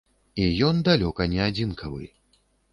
І ён далёка не адзінкавы.